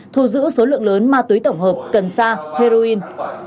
thu giữ số lượng lớn ma túy tổng hợp cần sa heroin